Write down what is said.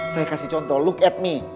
saya kasih contoh look at me